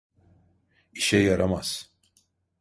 İşe yaramaz.